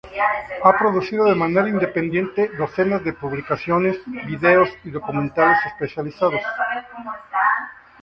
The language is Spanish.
Ha producido de manera independiente decenas de publicaciones, videos y documentales especializados.